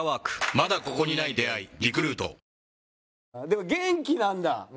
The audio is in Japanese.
でも元気なんだ？